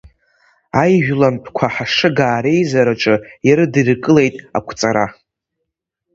Аижәлантәқәа Ҳашыгаа реизараҿы ирыдыркылеит Ақәҵара.